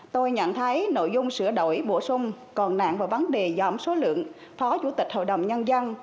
tôi nhận thấy nội dung sửa đổi bổ sung còn nạn vào vấn đề giảm số lượng phó chủ tịch hội đồng nhân dân